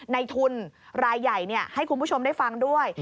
ในทุนรายใหญ่ให้คุณผู้ชมได้ฟังด้วย